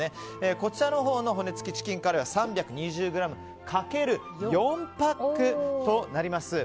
こちらの骨付きチキンカリーは３２０ｇ×４パックとなります。